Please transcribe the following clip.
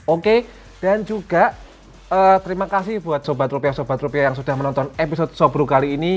oke dan juga terima kasih buat sobat rupiah sobat rupiah yang sudah menonton episode sobro kali ini